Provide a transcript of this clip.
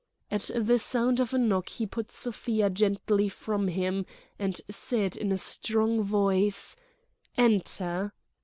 At the sound of a knock he put Sofia gently from him, and said in a strong voice: "Enter."